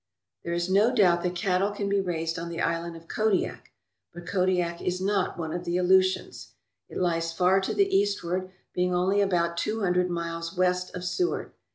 There is no doubt that cattle can be raised on the Island of Kodiak, but Kodiak is not one of the Aleutians. It lies far to the eastward, being only about two hundred miles west of Seward.